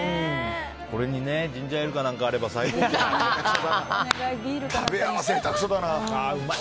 これにジンジャーエールなんかあれば最高じゃない。